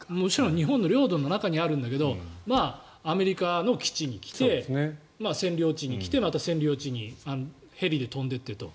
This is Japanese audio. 日本の領土の中にあるんだけどアメリカの基地に来て占領地に来てまた占領地にヘリで飛んで行ってと。